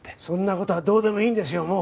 そんな事はどうでもいいんですよ